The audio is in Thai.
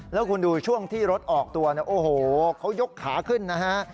แล้วคุณดูช่วงที่รถออกตัวเนี่ยโอ้โหเขายกขาขึ้นนะฮะ